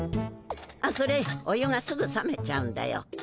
あっそれお湯がすぐさめちゃうんだよ。